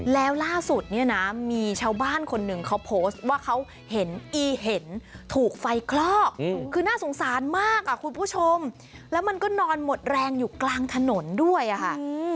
แล้วล่าสุดเนี่ยนะมีชาวบ้านคนหนึ่งเขาโพสต์ว่าเขาเห็นอีเห็นถูกไฟคลอกคือน่าสงสารมากอ่ะคุณผู้ชมแล้วมันก็นอนหมดแรงอยู่กลางถนนด้วยอะค่ะ